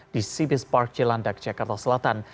di sibis park jelandak jakarta selatan